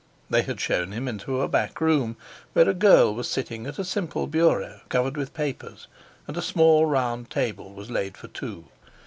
They had shown him into a back room, where a girl was sitting at a simple bureau covered with papers, and a small round, table was laid for two.